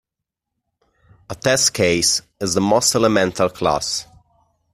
A test case is the most elemental class.